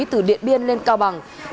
từ điện biên lên hà nội